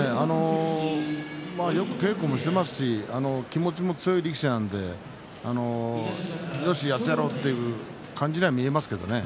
よく稽古もしていますし気持ちも強い力士なのでよしやってやろうという感じには見えますけどね。